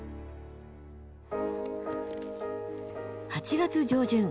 ８月上旬。